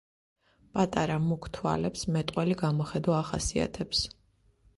პატარა, მუქ თვალებს მეტყველი გამოხედვა ახასიათებს.